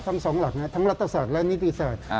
ทั้ง๒หลักนะครับทั้งรัฐศาสตร์แล้วนิติศาสตร์